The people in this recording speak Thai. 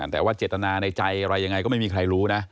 แต่ว่าเจตนาในใจอะไรยังไงก็ไม่มีใครรู้นะ